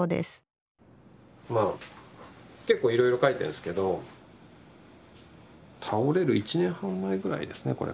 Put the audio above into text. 結構いろいろ書いてるんですけど倒れる１年半前ぐらいですね